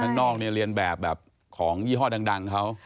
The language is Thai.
ท่านนอกเรียนแบบของยี่ห้อดังเขา